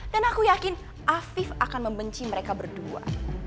dan aku yakin afif akan membenci mereka berdua